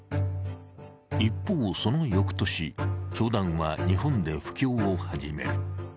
一方、その翌年、教団は日本で布教を始める。